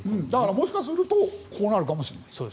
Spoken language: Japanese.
もしかするとこうなるかもしれない。